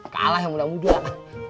kalah yang mudah mudah